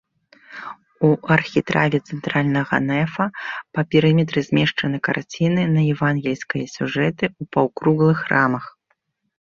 У архітраве цэнтральнага нефа па перыметры змешчаны карціны на евангельскія сюжэты ў паўкруглых рамах.